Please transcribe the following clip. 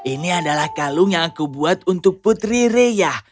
ini adalah kalung yang aku buat untuk putri reyah